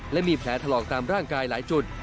และมีแผลถลอกตามร่างกายหลายจุด